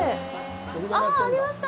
あ、ありました。